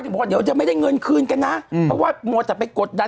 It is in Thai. บอกว่าเดี๋ยวจะไม่ได้เงินคืนกันนะเพราะว่ามัวแต่ไปกดดัน